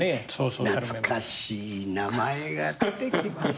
懐かしい名前が出てきますね。